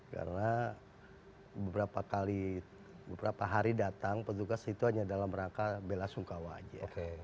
karena beberapa kali beberapa hari datang petugas itu hanya dalam rangka bella sungkawa aja